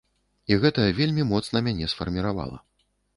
І гэта вельмі моцна мяне сфарміравала.